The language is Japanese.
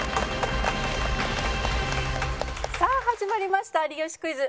さあ始まりました『有吉クイズ』。